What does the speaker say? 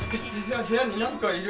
部屋になんかいる！